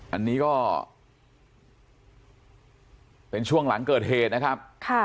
อันนี้ก็เป็นช่วงหลังเกิดเหตุนะครับ